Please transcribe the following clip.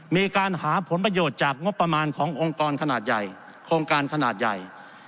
มีการหาผลประโยชน์จากงบประมาณขององค์การขนาดใหญ่